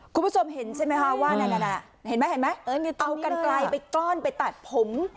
คุณผู้ชมเห็นใช่มั้ยฮะว่าเนี่ยเอากันไกลไปก้อนไปตัดผม